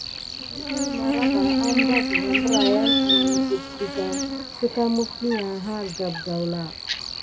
Iɗiy màrava ambra zəga mbrayin an məget dəga səka məfiga ha gape gawla.